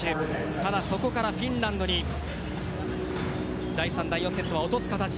ただ、そこからフィンランドに第３、第４セットは落としました。